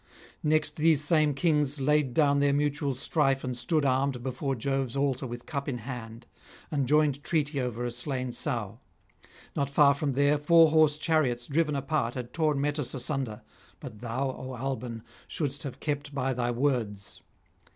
Next these same kings laid down their mutual strife and stood armed before Jove's altar with cup in hand, and joined treaty over a slain sow. Not far from there four horse chariots driven apart had torn Mettus asunder (but thou, O Alban, shouldst have kept by thy words!)